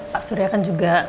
pak suri kan juga